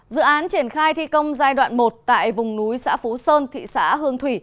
dự án triển khai thi công giai đoạn một tại vùng núi xã phú sơn thị xã hương thủy